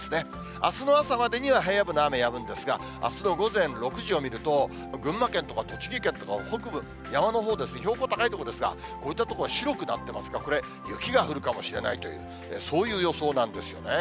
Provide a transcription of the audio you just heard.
あすの朝までには平野部の雨やむんですが、あすの午前６時を見ると、群馬県とか栃木県とか北部山のほうですね、標高高い所ですが、こういった所は白くなってますが、これ、雪が降るかもしれないという、そういう予想なんですよね。